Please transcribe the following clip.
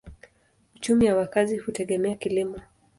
Uchumi ya wakazi hutegemea kilimo.